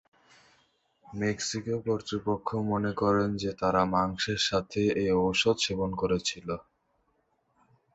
Mexico কর্তৃপক্ষ মনে করেন যে, তারা মাংসের সাথে এ ঔষধ সেবন করেছিল।